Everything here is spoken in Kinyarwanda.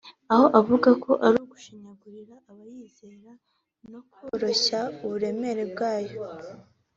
aho avuga ko ari ugushinyagurira abayizize no koroshya uburemere bwayo